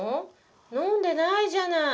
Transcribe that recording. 飲んでないじゃない。